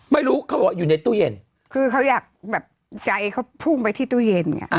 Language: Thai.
ไม่รู้เขาบอกว่าอยู่ในตู้เย็นคือเขาอยากแบบใจเขาพุ่งไปที่ตู้เย็นไง